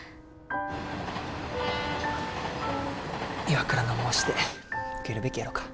岩倉の申し出受けるべきやろか？